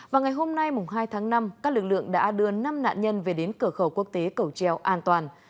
và ngày hôm nay hai tháng năm các lực lượng đã đưa năm nạn nhân về đến cửa khẩu quốc tế cầu treo an toàn